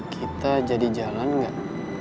kita jadi jalan gak